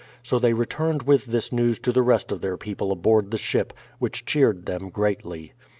So they returned with this news to the rest of their people aboard the ship, which cheered them greatly.